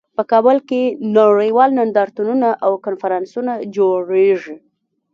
په کابل کې نړیوال نندارتونونه او کنفرانسونه جوړیږي